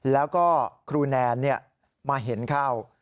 แล้วก็ครูแนนมาเห็นเข้า